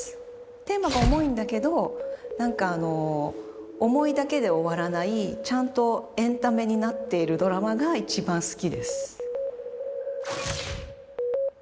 テーマが重いんだけど重いだけで終わらないちゃんとエンタメになっているドラマが一番好きです